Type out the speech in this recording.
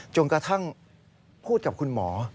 จนกระทั่งพูดกับคุณหมอ